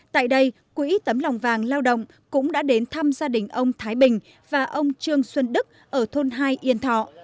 tại đây quỹ tấm lòng vàng lao động cũng đã đến thăm gia đình ông thái bình và ông trương xuân đức ở thôn hai yên thọ